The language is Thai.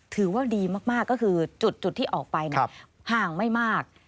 ถือว่าดีมากก็คือจุดที่ออกไปห่างไม่มาก